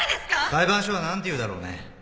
裁判所は何て言うだろうね